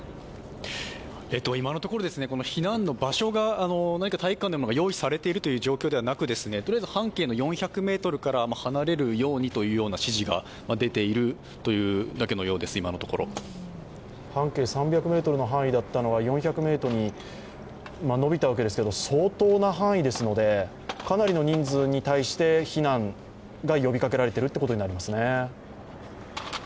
今のところ、避難の場所が何か体育館などが用意されているというわけではなくて、とりあえず半径の４００ｍから離れるようにという指示が半径３００ｍだったのが４００ｍにのびたわけですけど、相当な範囲ですので、かなりの人数に対して避難が呼びかけられていることになりますね。